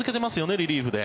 リリーフで。